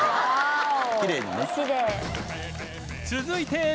続いて